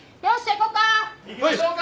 行きましょうか！